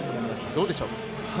どうでしょうか？